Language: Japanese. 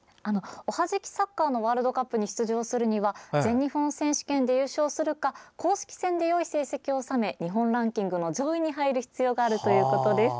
おはじきサッカーのワールドカップに出場するには全日本選手権で優勝するか公式戦で良い成績を収め日本ランキングの上位に入る必要があるということです。